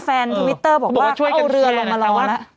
แฟนติวิตเตอร์บอกว่าเอาเรือลงมาร้อนละก็บอกว่าช่วยกันแค่เหนือค่ะ